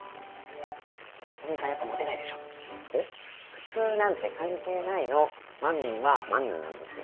普通なんて関係ないのまみんはまみんなんですよ。